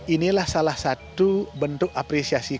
inilah salah satu bentuk apresiasi